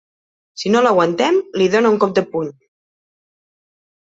Si no l'aguantem, li dona un cop de puny.